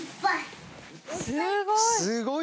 すごい。